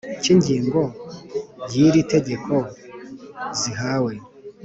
Cy ingingo ya y iri tegeko zihawe